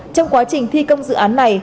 trong quá trình thi công dự án này